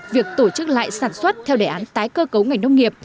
việc tổ chức lại sản xuất theo đề án tái cơ cấu ngành nông nghiệp